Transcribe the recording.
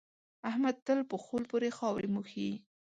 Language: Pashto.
احمد تل په خول پورې خاورې موښي.